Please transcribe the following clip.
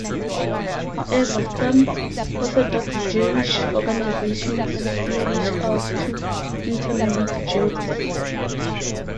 However, some Orthodox Jewish organizations do reach out to intermarried Jews.